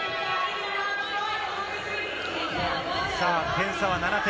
点差は７点。